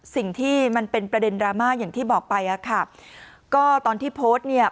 สิ่งที่มันเป็นประเด็นดราม่าอย่างที่บอกไปอ่ะค่ะก็ตอนที่โพสต์เนี่ย